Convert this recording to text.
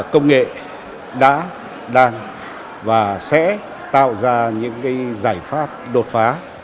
công nghệ đã đang và sẽ tạo ra những giải pháp đột phá